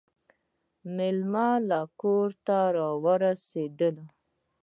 مېلمانه کور ته راورسېدل .